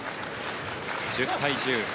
１０対１０